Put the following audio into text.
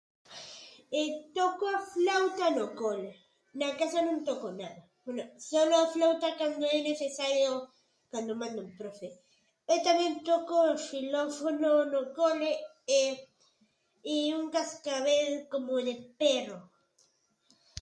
Eu toco a flauta no cole. Na casa non toco nada, bueno, solo a flauta cando é necesario, cando manda o profe, e tamén toco o xilófono no cole i un cascabel como de perro.